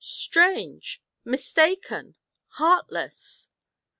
'STRANGE! MISTAKEN! HEARTLESS!'